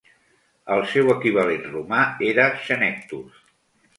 El seu equivalent romà era Senectus.